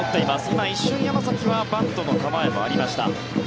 今、一瞬、山崎はバントの構えもありました。